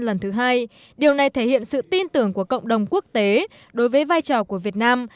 lần thứ hai điều này thể hiện sự tin tưởng của cộng đồng quốc tế đối với vai trò của việt nam